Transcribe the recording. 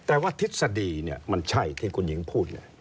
แต่ว่าทฤษฎีเนี่ยมันใช่ที่คุณหญิงพูด